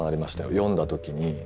読んだ時に。